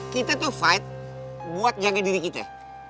kita tuh fight buat jaga diri kita